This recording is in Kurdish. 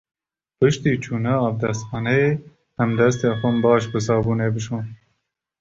Piştî çûna avdestxaneyê, em destên xwe baş bi sabûnê bişon.